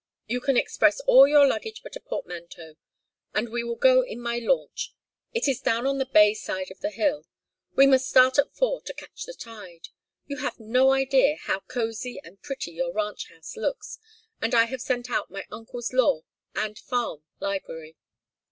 "You can express all your luggage but a portmanteau, and we will go in my launch. It is down on the bay side of the Hill. We must start at four to catch the tide. You have no idea how cosey and pretty your ranch house looks, and I have sent out my uncle's law and farm library.